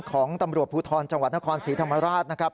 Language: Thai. ของตำรวจภูทรจังหวัดนครศรีธรรมราชนะครับ